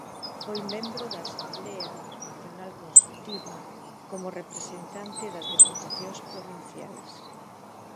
Foi membro da Asemblea Nacional Consultiva como representante das Deputacións provinciais.